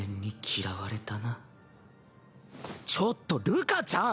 ちょっとるかちゃん！